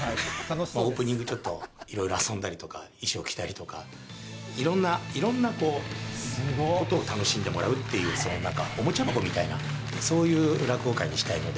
オープニングちょっと、いろいろ遊んだりとか、衣装着たりだとか、いろんなことを楽しんでもらうっていう、おもちゃ箱みたいな、そういう落語会にしたいので。